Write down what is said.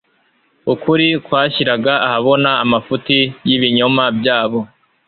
Ukuri kwashyiraga ahabona amafuti y'ibinyoma byabo;